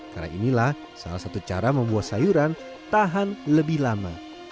karena inilah salah satu cara membuat sayuran tahan lebih lama